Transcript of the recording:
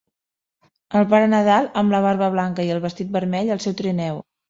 El Pare Nadal, amb la barba blanca i el vestit vermell al seu trineu.